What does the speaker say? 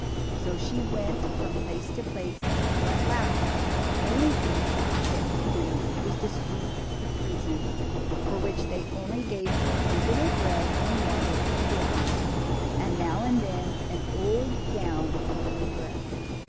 So she went 54 DIMPLE. from place to place, until at last the only thing she could get to do, was to sweep the prison, for which they only gave her a little bread and water to live on, and now and then an old gown for her dress.